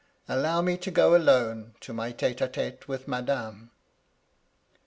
Allow me to go alone to my tete a t^te with madame.'